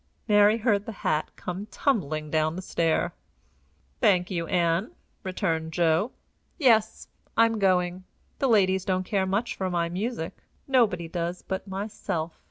Mary heard the hat come tumbling down the stair. "Thank you, Ann," returned Joe. "Yes, I'm going. The ladies don't care much for my music. Nobody does but myself.